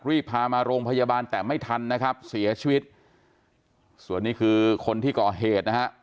รีบพามาโรงพยาบาลแต่ไม่ทันนะครับเสียชีวิตส่วนนี้คือคนที่ก่อเหตุนะฮะ